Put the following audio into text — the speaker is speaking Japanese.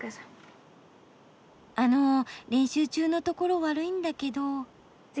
あの練習中のところ悪いんだけど。